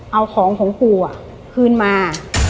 เอาของของปู่คืนมา